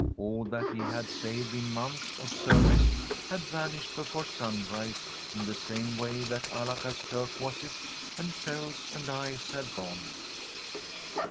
All that he had saved in months of service had vanished before sunrise in the same way that Alaka's turquoises and shells and eyes had gone.